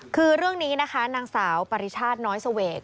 คือเรื่องนี้นะคะนางสาวปริชาติน้อยเสวก